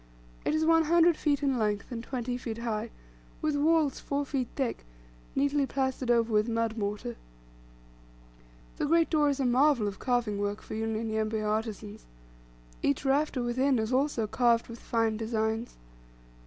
It is one hundred feet in length, and twenty feet high, with walls four feet thick, neatly plastered over with mud mortar. The great door is a marvel of carving work for Unyanyembe artisans. Each rafter within is also carved with fine designs.